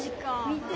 見て。